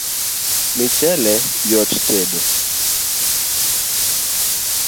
Michele yot tedo